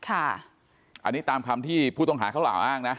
อันนี้ตามคำที่ผู้ต้องหาเขากล่าวอ้างนะ